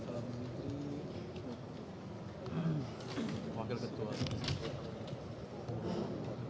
lagu kebangsaan indonesia raya